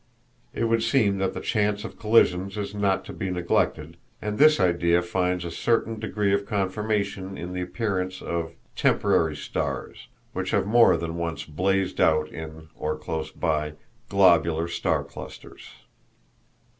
It would seem that the chance of collisions is not to be neglected, and this idea finds a certain degree of confirmation in the appearance of "temporary stars" which have more than once blazed out in, or close by, globular star clusters.